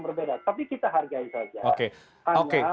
berbeda tapi kita hargai saja hanya